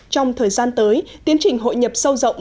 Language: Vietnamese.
trong thời gian tới tiến trình hội nhập sâu rộng